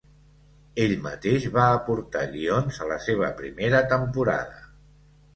Ell mateix va aportar guions a la seva primera temporada.